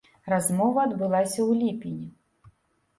Размова адбылася ў ліпені.